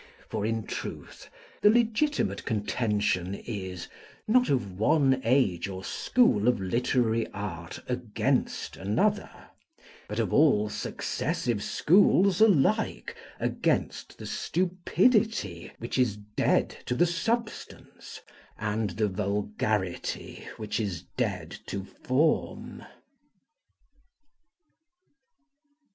For, in truth, the legitimate contention is, not of one age or school of literary art against another, but of all successive schools alike, against the stupidity which is dead to the substance, and the vulgarity which is dead to form.